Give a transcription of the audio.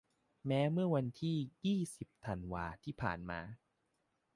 แม้เมื่อวันที่ ยี่สิบ ธันวาที่ผ่านมา